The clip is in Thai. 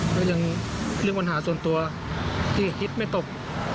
ก็ยังเรื่องปัญหาส่วนตัวที่คิดไม่ตก